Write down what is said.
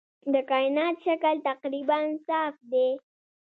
د کائنات شکل تقریباً صاف دی.